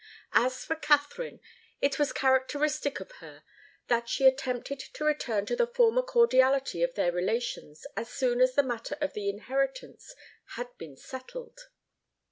As for Katharine, it was characteristic of her that she attempted to return to the former cordiality of their relations as soon as the matter of the inheritance had been settled.